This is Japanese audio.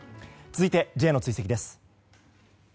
続いてＪの追跡です。